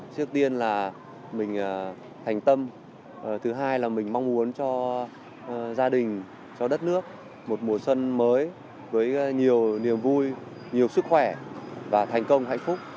trước tiên là mình thành tâm thứ hai là mình mong muốn cho gia đình cho đất nước một mùa xuân mới với nhiều niềm vui nhiều sức khỏe và thành công hạnh phúc